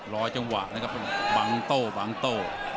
รอจังหวะนะครับบังโต้บังโต้